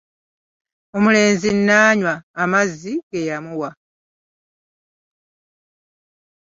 Omulenzi n'anywa amazzi ge yamuwa.